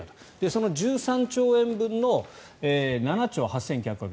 その１３兆円分の７兆８９００億